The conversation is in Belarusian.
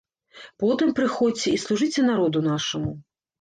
Потым прыходзьце і служыце народу нашаму.